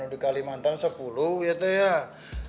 di kalimantan sepuluh ya teh